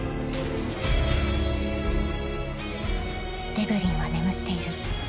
［デブリンは眠っている］